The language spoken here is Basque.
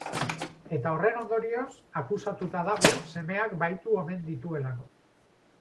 Eta horren ondorioz akusatuta dago semeak bahitu omen dituelako.